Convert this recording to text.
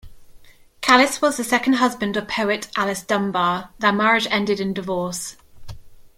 Callis was the second husband of poet Alice Dunbar; their marriage ended in divorce.